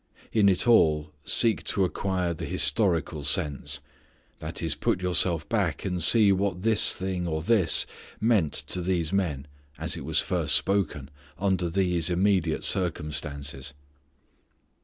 In it all seek to acquire the historical sense. That is, put yourself back and see what this thing, or this, meant to these men, as it was first spoken, under these immediate circumstances.